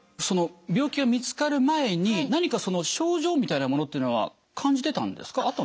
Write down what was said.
その病気が見つかる前に何か症状みたいなものっていうのは感じてたんですか？